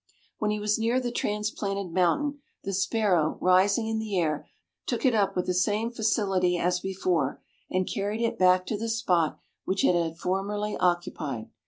When he was near the transplanted mountain, the sparrow, rising in the air, took it up with the same facility as before, and carried it back to the spot which it had formerly occupied.